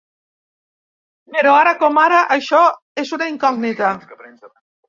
Però, ara com ara, això és una incògnita.